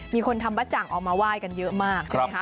มีคนทำบัจจังออกมาไหว้กันเยอะมากใช่ไหมคะ